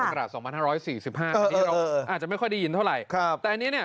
ครับตั้งแต่๒๕๔๕อันนี้เราอาจจะไม่ค่อยได้ยินเท่าไหร่แต่อันนี้เนี่ย